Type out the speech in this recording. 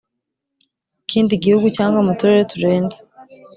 Kindi gihugu cyangwa mu turere turenze